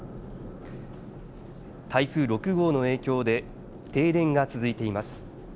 台風６号の影響で停電が続いています。